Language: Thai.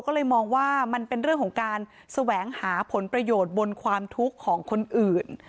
ก็เลยมองว่ามันเป็นเรื่องของการแสวงหาผลประโยชน์บนความทุกข์ของคนอื่น